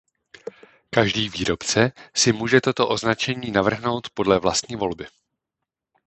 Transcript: Každý výrobce si může toto označení navrhnout podle vlastní volby.